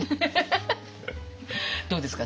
どうですか？